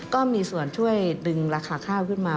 ก็มีส่วนช่วยดึงราคาข้าวขึ้นมา